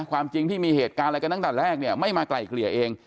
ความจริงที่มีเหตุการณ์อะไรกันตั้งแต่แรกเนี่ยไม่มาไกลเกลี่ยเอง